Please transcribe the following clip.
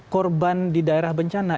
korban di daerah bencana